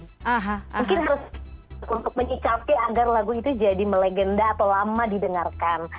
mungkin harus untuk menyikapi agar lagu itu jadi melegenda atau lama didengarkan